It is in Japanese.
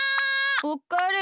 おっかえり！